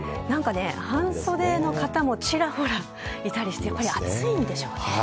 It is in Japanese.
なんかね、半袖の方もちらほらいたりして、暑いんでしょうね。